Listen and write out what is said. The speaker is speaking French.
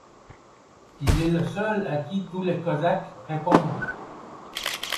Il est le seul à qui tous les cosaques répondent.